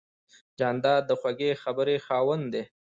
جانداد د خوږې خبرې خاوند دی.